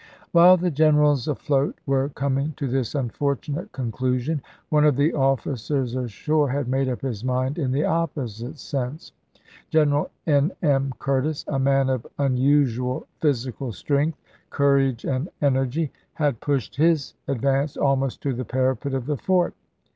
While the generals afloat were coming to this unfortunate conclusion, one of the officers ashore had made up his mind in the opposite sense. General N. M. Curtis, a man of unusual physical strength, courage, and energy, had pushed his ad vance almost to the parapet of the fort.